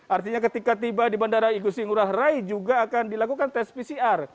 artinya ketika tiba di bandara igusti ngurah rai juga akan dilakukan tes pcr